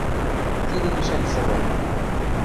Тидӹ гишӓн сылык!